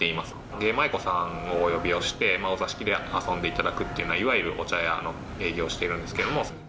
芸舞妓さんをお呼びをして、お座敷で遊んでいただくという、いわゆるお茶屋の営業してるんですけど。